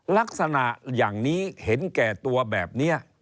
ลักษณะอย่างนี้เห็นแก่ตัวแบบนี้